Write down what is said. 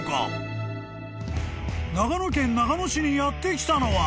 ［長野県長野市にやって来たのは］